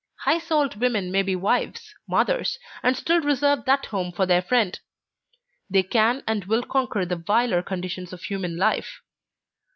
High souled women may be wives, mothers, and still reserve that home for their friend. They can and will conquer the viler conditions of human life.